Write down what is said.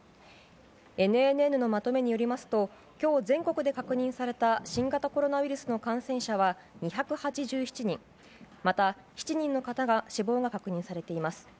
ＮＮＮのまとめによりますと今日全国で確認された新型コロナウイルスの感染者は２８７人また７人の方の死亡が確認されています。